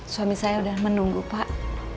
suami saya sudah menunggu pak